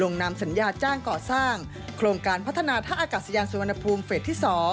การก่อสร้างโครงการพัฒนาท่าอากาศยานสุวรรณภูมิเฟสที่๒